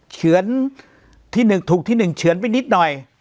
เฉือนที่๑ถูกที่๑เฉือนไปนิดหน่อย